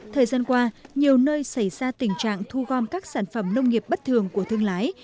thời gian qua nhiều nơi xảy ra tình trạng thu gom các sản phẩm nông nghiệp bất thường của thương lái